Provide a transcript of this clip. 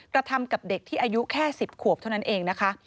กระทำกับเด็กที่อายุแค่๑๐ขวบเท่านั้นเองนะคะ